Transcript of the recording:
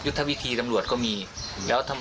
ส่งมาขอความช่วยเหลือจากเพื่อนครับ